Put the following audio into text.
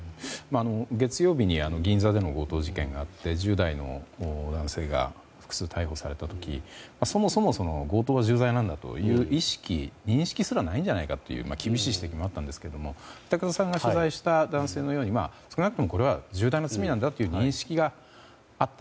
月曜日に銀座での強盗事件があって１０代の男性が複数、逮捕された時そもそも強盗が重罪なんだという意識、認識すらないんじゃないかという厳しい指摘もあったんですが板倉さんが取材した男性のように少なくとも重大な罪なんだという認識があった。